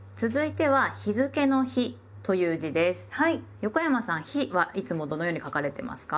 横山さん「日」はいつもどのように書かれてますか？